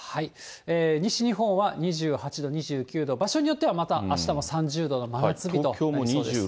西日本は２８度、２９度、場所によっては、またあしたも３０度の真夏日となりそうです。